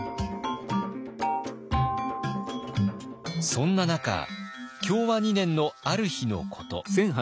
そんな中享和２年のある日のこと。